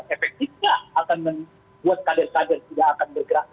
efektifnya akan membuat kader kader tidak akan bergerak